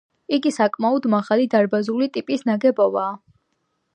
იგი საკმაოდ მაღალი დარბაზული ტიპის ნაგებობაა.